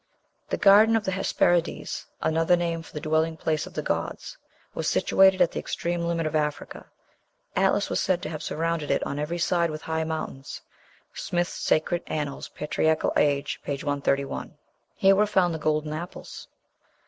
"The Garden of the Hesperides" (another name for the dwelling place of the gods) "was situated at the extreme limit of Africa. Atlas was said to have surrounded it on every side with high mountains." (Smith's "Sacred Annals, Patriarchal Age," p. 131.) Here were found the golden apples.